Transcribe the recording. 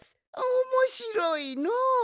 おもしろいのう！